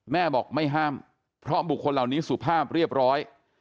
แม่บอกไม่ห้ามเพราะบุคคลเหล่านี้สุภาพเรียบร้อย